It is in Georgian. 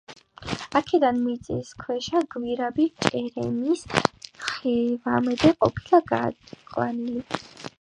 აქედან მიწისქვეშა გვირაბი ჭერემის ხევამდე ყოფილა გაყვანილი.